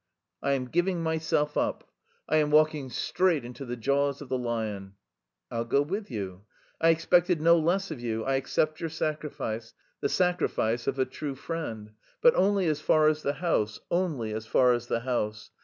"I am giving myself up. I am walking straight into the jaws of the lion...." "I'll go with you." "I expected no less of you, I accept your sacrifice, the sacrifice of a true friend; but only as far as the house, only as far as the house.